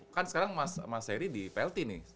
kan sekarang mas heri di plt nih